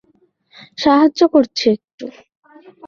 সাহায্য করছি একটু।